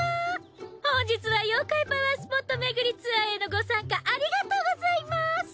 本日は妖怪パワースポット巡りツアーへのご参加ありがとうございます。